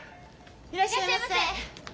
いらっしゃいませ！